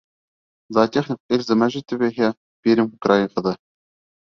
Зоотехник Эльза Мәжитова иһә — Пермь крайы ҡыҙы.